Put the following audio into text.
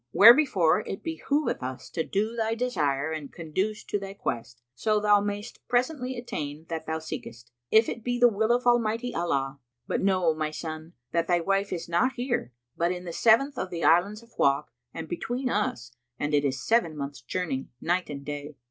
Wherefore it behoveth us to do thy desire and conduce to thy quest, so thou mayst presently attain that thou seekest, if it be the will of Almighty Allah. But know, O my son, that thy wife is not here, but in the seventh of the Islands of Wak and between us and it is seven months' journey, night and day.